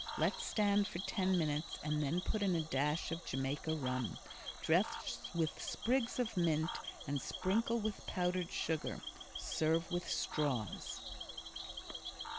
Let stand for ten minutes and then put in a dash of Jamaica rum. Dress with sprigs of mint, and sprinkle with powdered sugar. Serve with straws.